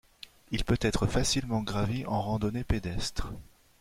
Il peut être facilement gravi en randonnée pédestre.